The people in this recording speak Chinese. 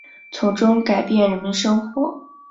从中改变人们生活